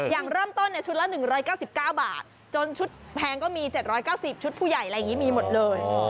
อย่างเริ่มต้นชุดละ๑๙๙บาทจนชุดแพงก็มี๗๙๐ชุดผู้ใหญ่อะไรอย่างนี้มีหมดเลย